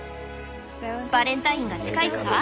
バレンタインが近いから？